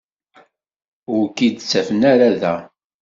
Ur k-id-ttafen ara da.